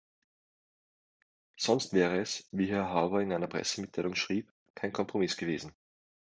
Sonst wäre es, wie Herr Harbour in einer Pressemitteilung schrieb, kein Kompromiss gewesen.